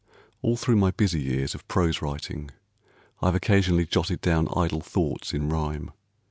All through my busy years of prose writing I have occasionally jotted down idle thoughts in rhyme.